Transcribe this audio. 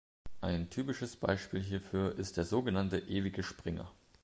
Ein typisches Beispiel hierfür ist der sogenannte Ewige Springer.